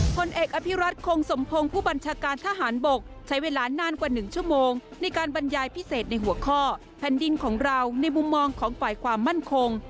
ผลเอกอภิรัตคงสมพงศ์ผู้บัญชาการทหารบกใช้เวลานานกว่า๑ชั่วโมงในการบรรยายพิเศษในหัวข้อแผ่นดินของเราในมุมมองของฝ่ายความมั่นคง